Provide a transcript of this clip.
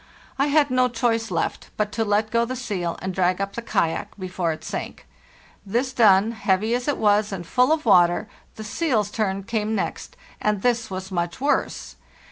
I had no choice left but to let go the seal and drag up the kayak be. fore it sank. This done, heavy as it was and full of water, the seal's turn came next, and this was much worse.